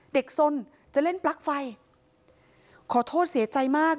สนจะเล่นปลั๊กไฟขอโทษเสียใจมาก